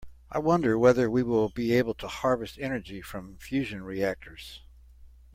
I wonder whether we will be able to harvest energy from fusion reactors.